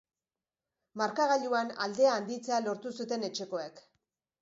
Markagailuan aldea handitzea lortu zuten etxekoek.